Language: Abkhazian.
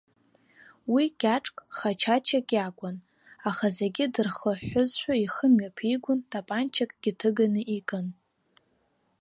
Уи кьаҿк, хачачак иакәын, аха зегьы дырхыҳәҳәозшәа ихы мҩаԥигон, тапанчакгьы ҭыганы икын.